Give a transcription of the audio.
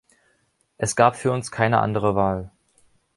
Es gab für uns keine andere Wahl.